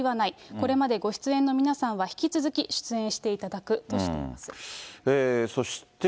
これまでご出演の皆さんは、引き続き出演していただくとしています。